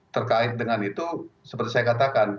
terkait dengan itu seperti saya katakan